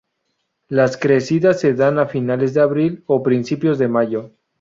Las crecidas se dan a finales de abril o principios de mayo.